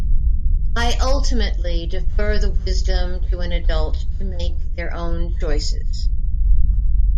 I ultimately defer the wisdom to an adult to make their own choices.